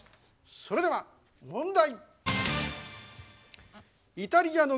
それでは問題！